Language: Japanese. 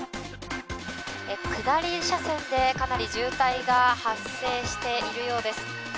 下り車線でかなり渋滞が発生しているようです。